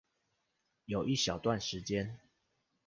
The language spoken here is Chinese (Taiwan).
有一小段時間